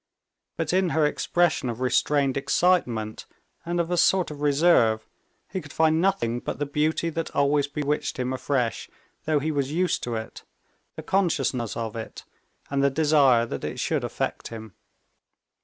But in her expression of restrained excitement, and of a sort of reserve, he could find nothing but the beauty that always bewitched him afresh though he was used to it, the consciousness of it, and the desire that it should affect him.